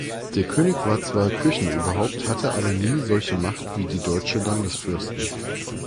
Der König war zwar Kirchenoberhaupt, hatte aber nie solche Macht wie die deutschen Landesfürsten.